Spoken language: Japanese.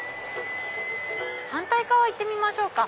反対側行ってみましょうか。